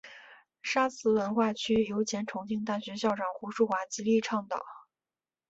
沙磁文化区由前重庆大学校长胡庶华极力倡导。